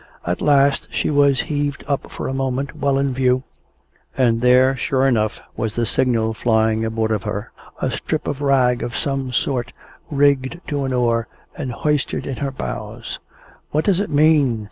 At last, she was heaved up for a moment well in view, and there, sure enough, was the signal flying aboard of her a strip of rag of some sort, rigged to an oar, and hoisted in her bows. "What does it mean?"